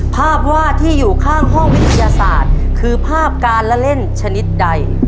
ภาพวาดที่อยู่ข้างห้องวิทยาศาสตร์คือภาพการละเล่นชนิดใด